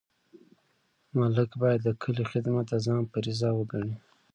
ملک باید د کلي خدمت د ځان فریضه وګڼي.